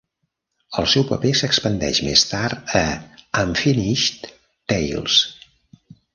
El seu paper s'expandeix més tard a "Unfinished Tales".